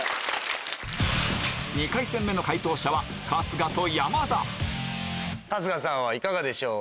２回戦目の解答者は春日さんはいかがでしょう？